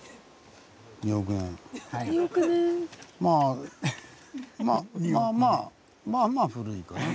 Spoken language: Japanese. まあまあまあ古いかな。